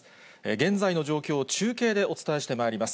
現在の状況を中継でお伝えしてまいります。